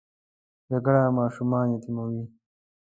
جګړه ماشومان یتیموي